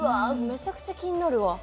めちゃくちゃ気になるわ。